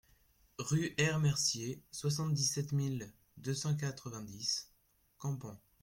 Rue R Mercier, soixante-dix-sept mille deux cent quatre-vingt-dix Compans